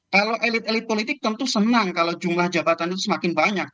kalau elit elit politik tentu senang kalau jumlah jabatan itu semakin banyak